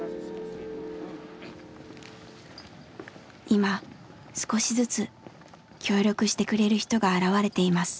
今少しずつ協力してくれる人が現れています。